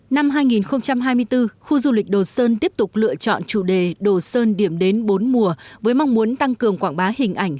năm hai nghìn hai mươi bốn khu du lịch đồ sơn tiếp tục lựa chọn chủ đề đồ sơn điểm đến bốn mùa với mong muốn tăng cường quảng bá hình ảnh